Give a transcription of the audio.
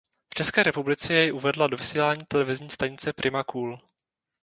V České republice jej uvedla do vysílání televizní stanice Prima Cool.